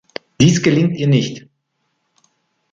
Dies gelingt ihr nicht.